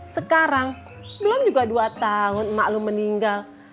sekarang belum juga dua tahun emak lo meninggal